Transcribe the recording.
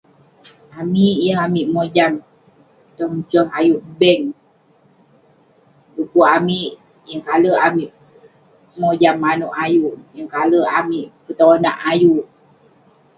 Amik yeng amik mojam tong joh ayuk bank. Dekuk amik, yeng kale amik mojam manouk ayuk neh, yeng kale amik petonak ayuk neh.